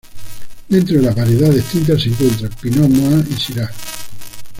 Dentro de las variedades tintas se encuentran: Pinot Noir y Syrah.